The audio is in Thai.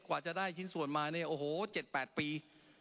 กว่าจะได้ชิ้นส่วนมาเนี่ยโอ้โห๗๘ปี